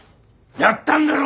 やったんだろ？